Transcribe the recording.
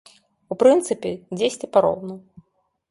У прынцыпе, дзесьці пароўну.